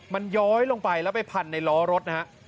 มันย้อยลงไปแล้วไปพันในล้อรถนะฮะ